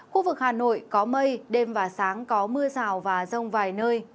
khu vực hà nội có mây đêm và sáng có mưa rào và rông vài nơi